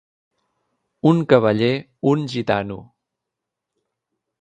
Un cavaller, un gitano.